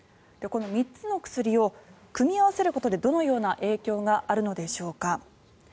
この３つの薬を組み合わせることでどのような影響があるのでしょうか。